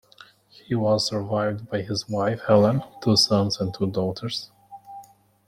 He was survived by his wife Helen, two sons and two daughters.